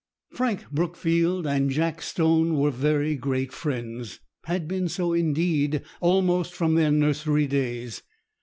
Frank Brookfield and Jack Stone were very great friends; had been so, indeed, almost from their nursery days.